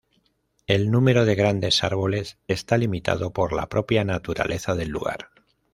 El número de grandes árboles está limitado por la propia naturaleza del lugar.